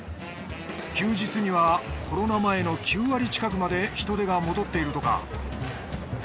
休日にはコロナ前の９割近くまで人出が戻っているとか。